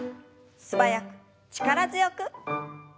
素早く力強く。